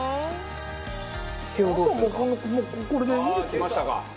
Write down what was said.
きましたか。